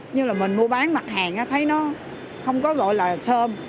như là mình mua bán mặt hàng thấy nó không có gọi là sơn